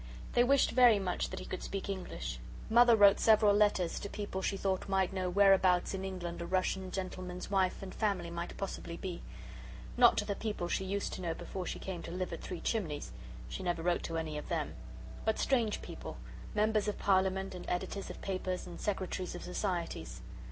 They wished very much that he could speak English. Mother wrote several letters to people she thought might know whereabouts in England a Russian gentleman's wife and family might possibly be; not to the people she used to know before she came to live at Three Chimneys she never wrote to any of them but strange people Members of Parliament and Editors of papers, and Secretaries of Societies.